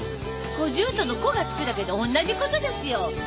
小姑の「小」が付くだけで同じことですよ。